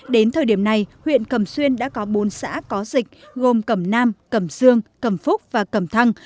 đến thời điểm này huyện cầm xuyên đã có bốn xã có dịch gồm cầm nam cầm dương cầm phúc và cầm thăng